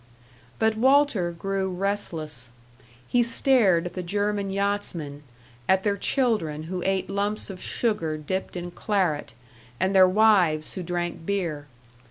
But Walter grew restless. He stared at the German yachtsmen, at their children who ate lumps of sugar dipped in claret, and their wives who drank beer.